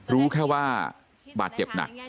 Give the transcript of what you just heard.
รู้แค่ว่าบาดเจ็บหนัก